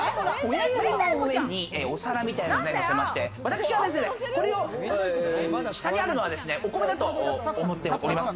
親指の上にお皿みたいなのを載せまして、私はこれを、下にあるのはお米だと思っております。